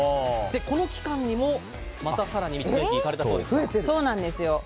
この期間にもまた更に道の駅行かれたそうですが。